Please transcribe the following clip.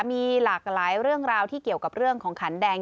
มีหลากหลายเรื่องราวที่เกี่ยวกับเรื่องของขันแดง